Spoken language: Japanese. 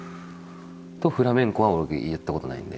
とフラメンコは俺やった事ないんで。